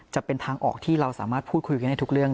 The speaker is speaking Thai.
จะเป็นทางออกที่เราสามารถพูดคุยกันได้ทุกเรื่อง